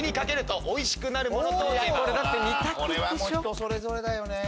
人それぞれだよね。